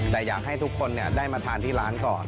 แต่อยากให้ทุกคนได้มาทานที่ร้านก่อน